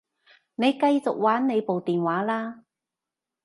你繼續玩你部電話啦